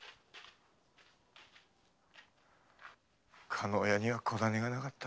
加納屋には子種がなかった。